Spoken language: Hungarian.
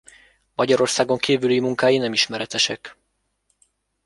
Magyarországon kívül munkái nem ismeretesek.